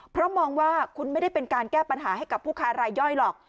เพราะมองว่าคุณไม่ได้เป็นการแก้ปัญหาให้กับผู้ค้ารายย่อยหรอก